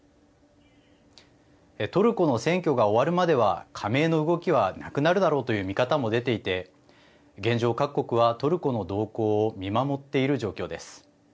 トルコの選挙が終わるまでは加盟の動きはなくなるだろうという見方も出ていて現状、各国はトルコの動向を見守っている状況です。